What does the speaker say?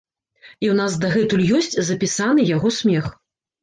І ў нас дагэтуль ёсць запісаны яго смех.